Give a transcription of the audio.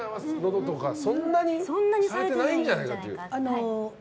そんなにされてないんじゃないかと。